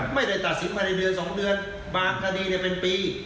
ไม่ได้ตัดสินภัณฑ์ในเดือนสองเดือนบางคดีได้เป็นปี